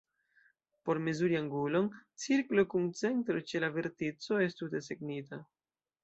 Por mezuri angulon, cirklo kun centro ĉe la vertico estu desegnita.